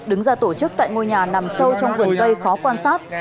đứng ra tổ chức tại ngôi nhà nằm sâu trong vườn cây khó quan sát